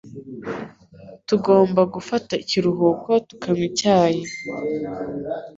Tugomba gufata ikiruhuko tukanywa icyayi.